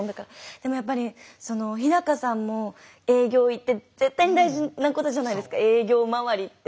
でもやっぱり日さんも営業行って絶対に大事なことじゃないですか営業回りって。